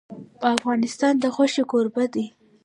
افغانستان د غوښې کوربه دی.